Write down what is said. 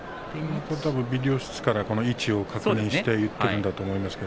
ビデオ室から位置を確認して言っているんだと思いますよ。